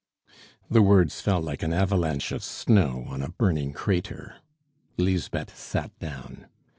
The words fell like an avalanche of snow on a burning crater. Lisbeth sat down.